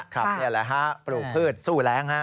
ครับนี่แหละครับปลูกพืชสู้แรงฮะ